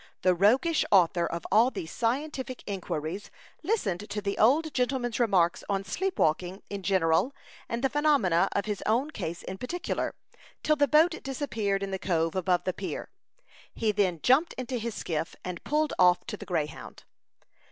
The roguish author of all these scientific inquiries listened to the old gentleman's remarks on sleep walking in general, and the phenomena of his own case in particular, till the boat disappeared in the cove above the pier. He then jumped into his skiff, and pulled off to the Greyhound.